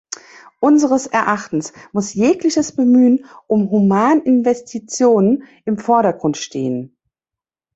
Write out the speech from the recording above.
Unseres Erachtens muss jegliches Bemühen um Humaninvestitionen im Vordergrund stehen.